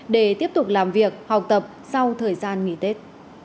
để tiếp tục làm việc học tập sau thời gian nghỉ tết